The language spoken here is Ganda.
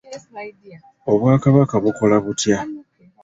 Obwakabaka bukola butya?